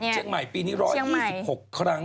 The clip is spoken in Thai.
เชียงใหม่ปีนี้๑๒๖ครั้ง